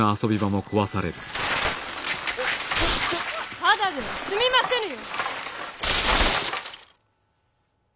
ただでは済みませぬよ！